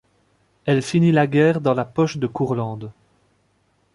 Elle finit la guerre dans la Poche de Courlande.